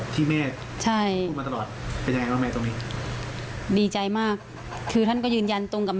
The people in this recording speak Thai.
ที่ตำรวจยืนยันว่าน้อง